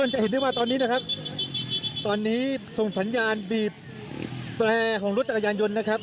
จะเห็นได้ว่าตอนนี้ส่งสัญญาณปรบแบบของรถจักรยานยนต์ซักที